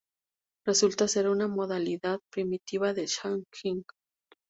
Resulta ser una modalidad primitiva de "hacking".